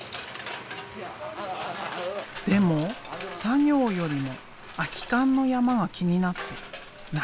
でも作業よりも空き缶の山が気になってなかなかはかどらない。